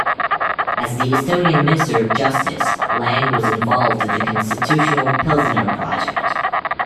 As the Estonian Minister of Justice, Lang was involved in the Constitutional Pilsener project.